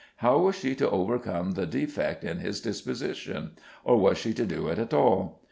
How was she to overcome the defect in his disposition; or was she to do it at all?